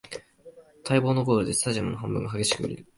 待望のゴールでスタジアムの半分が激しく揺れる